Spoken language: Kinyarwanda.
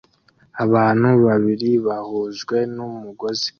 Abantu babiri bahujwe n'umugozi